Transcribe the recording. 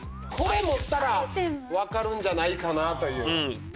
これ持ったらわかるんじゃないかなという。